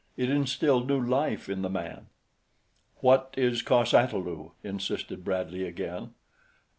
It instilled new life in the man. "What is cos ata lu?" insisted Bradley again.